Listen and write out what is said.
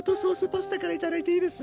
パスタから頂いていいです？